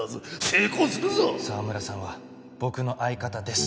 「澤村さんは僕の相方です」